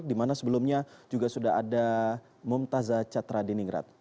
di mana sebelumnya juga sudah ada mumtazah catra di ningrat